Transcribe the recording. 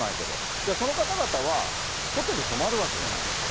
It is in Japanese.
じゃあその方々はホテル泊まるわけじゃない。